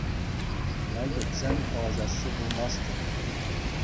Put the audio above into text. Ӑна кӗтсен, калаҫасси пулмастех.